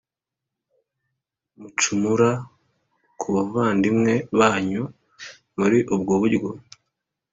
Mucumura ku bavandimwe banyu muri ubwo buryo